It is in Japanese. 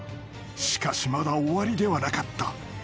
［しかしまだ終わりではなかった］